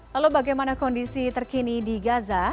lalu bagaimana kondisi terkini di gaza